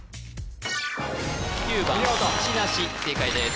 ９番くちなし正解です